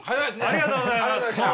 ありがとうございます。